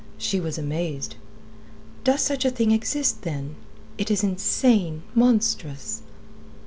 She was amazed. "Does such a thing exist, then? It is insane, monstrous."